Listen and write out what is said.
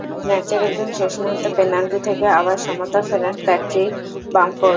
ম্যাচের একদম শেষ মুহূর্তে পেনাল্টি থেকে আবার সমতা ফেরান প্যাট্রিক বামফোর্ড।